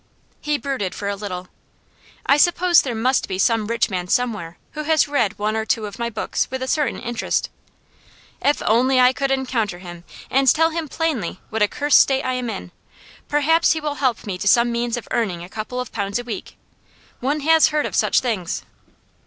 He brooded for a little. 'I suppose there must be some rich man somewhere who has read one or two of my books with a certain interest. If only I could encounter him and tell him plainly what a cursed state I am in, perhaps he would help me to some means of earning a couple of pounds a week. One has heard of such things.